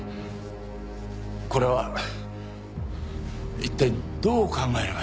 これは一体どう考えればいいんだね？